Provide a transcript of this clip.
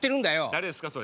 誰ですかそれ。